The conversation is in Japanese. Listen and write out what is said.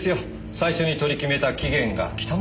最初に取り決めた期限が来たものですから。